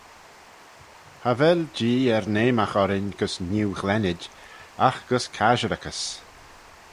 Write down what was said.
Cha vel Jee er n'eamagh orrin gys neu-ghlennid, agh gys casherickys.